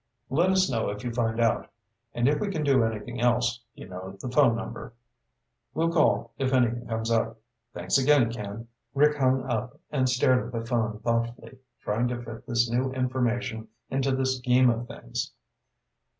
"Let us know if you find out. And if we can do anything else, you know the phone number." "We'll call if anything comes up. Thanks again, Ken." Rick hung up and stared at the phone thoughtfully, trying to fit this new information into the scheme of things.